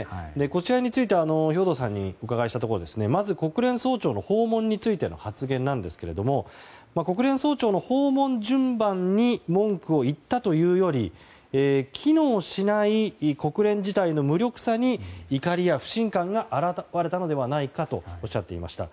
こちらについても兵頭さんにお伺いしたところまず国連総長の訪問についての発言ですが国連総長の訪問順番に文句を言ったというより機能しない国連自体の無力さに怒りや不信感が表れたのではないかとおっしゃっていました。